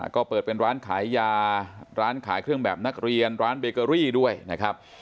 ก็เปิดเป็นร้านขายยาร้านขายเครื่องแบบนักเรียนร้านเบเกอรี่ด้วยนะครับ